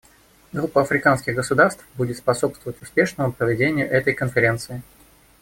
Группа африканских государств будет способствовать успешному проведению этой конференции.